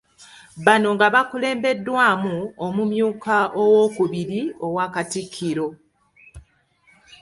Bano nga bakulembeddwamu Omumyuka owookubiri owa Katikkiro.